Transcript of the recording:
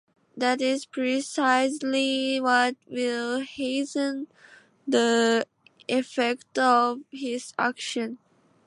That is precisely what will heighten the effect of his action.